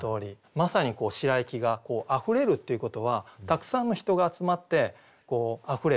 まさに「白息」があふれるっていうことはたくさんの人が集まってあふれて上がってるわけじゃないですか。